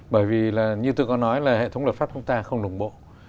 bởi vì như tôi có nói là hệ thống luật pháp chúng ta không đồng bộ